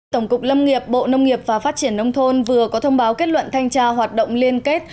tổng cục lâm nghiệp bộ nông nghiệp và phát triển nông thôn vừa có thông báo kết luận thanh tra hoạt động liên kết